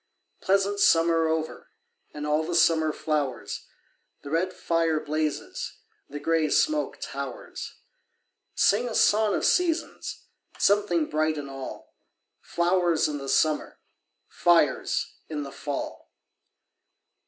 Pleasant summer over And all the summer flowers, The red fire blazes, The grey smoke towers. Sing a song of seasons! Something bright in all! Flowers in the summer, Fires in the fall!